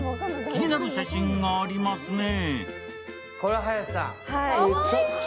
気になる写真がありますね。